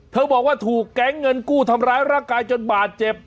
บอกว่าถูกแก๊งเงินกู้ทำร้ายร่างกายจนบาดเจ็บ